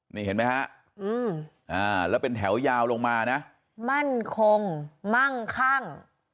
นี่เห็นไหมฮะแล้วเป็นแถวยาวลงมานะมั่นคงมั่งคั่ง